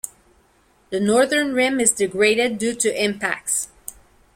The northern rim is degraded due to impacts.